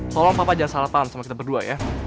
tolong papa jangan salah paham sama kita berdua ya